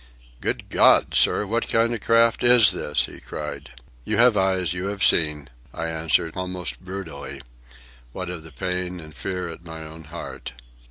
"Good God! sir, what kind of a craft is this?" he cried. "You have eyes, you have seen," I answered, almost brutally, what of the pain and fear at my own heart.